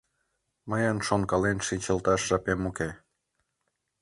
Мыйын шонкален шинчылташ жапем уке.